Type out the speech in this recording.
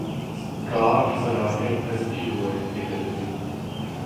کار فراٹے بھرتی ہوئے نکل گئی